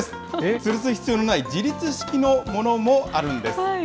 つるす必要のない自立式のものもあるんです。